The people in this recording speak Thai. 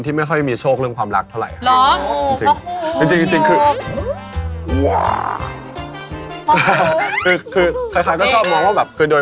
ตอนนี้ฉันคิดกับก๋วย